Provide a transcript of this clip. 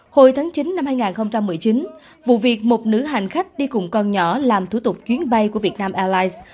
hồi tháng chín năm hai nghìn một mươi chín vụ việc một nữ hành khách đi cùng con nhỏ làm thủ tục chuyến bay của việt nam airlines